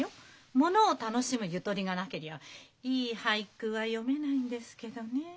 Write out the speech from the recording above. ものを楽しむゆとりがなけりゃいい俳句は詠めないんですけどねえ。